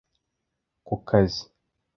ku kazi